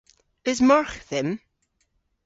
Eus margh dhymm?